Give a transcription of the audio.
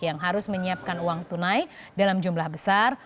yang harus menyiapkan uang tunai dalam jumlah besar